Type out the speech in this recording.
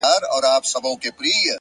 زړورتیا د وېرو د ماتولو لومړی قدم دی’